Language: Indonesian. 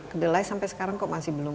kedelai sampai sekarang kok masih belum